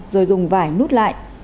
rồi dùng vải nút lại